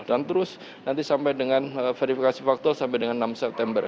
dan terus nanti sampai dengan verifikasi faktual sampai dengan enam september